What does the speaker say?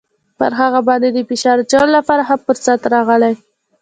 پر هغه باندې د فشار اچولو لپاره ښه فرصت راغلی.